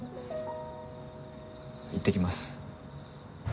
いってきます。